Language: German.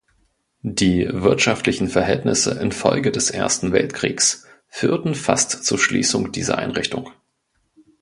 Die wirtschaftlichen Verhältnisse in Folge des Ersten Weltkriegs führten fast zur Schließung dieser Einrichtung.